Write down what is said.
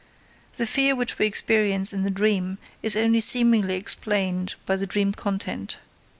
The fear which we experience in the dream is only seemingly explained by the dream content.